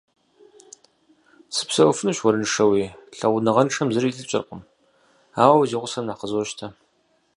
Сыпсэуфынущ уэрыншэуи, лъэгъуныгъэншэм зыри илӏыкӏыркъым, ауэ узигъусэм нэхъ къызощтэ.